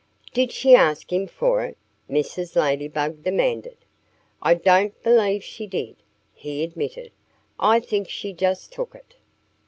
"Did she ask him for it?" Mrs. Ladybug demanded. "I don't believe she did," he admitted. "I think she just took it."